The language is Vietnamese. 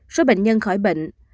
số bệnh nhân khỏi bệnh